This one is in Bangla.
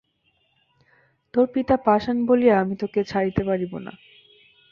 তাের পিতা পাষাণ বলিয়া আমি তােকে ছাড়িতে পারিব না!